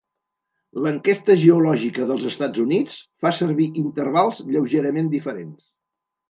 L'Enquesta Geològica dels Estats Units fa servir intervals lleugerament diferents.